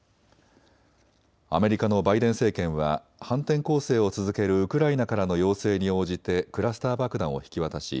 アメリカのバイデン政権は反転攻勢を続けるウクライナからの要請に応じてクラスター爆弾を引き渡し